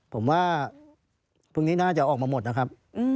ผมว่าพรุ่งนี้น่าจะออกมาหมดนะครับ